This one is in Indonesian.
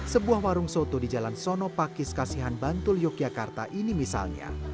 sebuah warung soto di jalan sono pakis kasihan bantul yogyakarta ini misalnya